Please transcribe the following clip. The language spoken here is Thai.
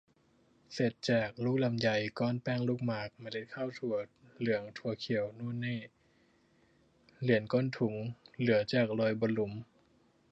เสร็จแจก ลูกลำไย ก้อนแป้งลูกหมาก เมล็ดข้าวถั่วเหลืองถั่วเขียวโน่นนี่ เหรียญก้นถุง เหลือจากโรยบนหลุม